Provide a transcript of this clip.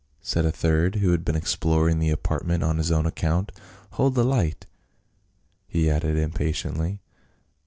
said a third, who had been exploring the apartment on his own account. " Hold the light !" he added impatiently.